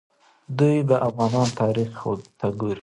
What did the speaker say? دوی به د افغانانو تاریخ ته ګوري.